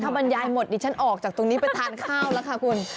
บรรยายหมดดิฉันออกจากตรงนี้ไปทานข้าวแล้วค่ะคุณ